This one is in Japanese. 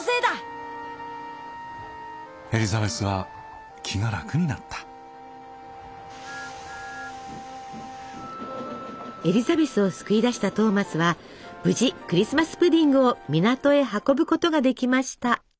エリザベスは気が楽になったエリザベスを救い出したトーマスは無事クリスマス・プディングを港へ運ぶことができました。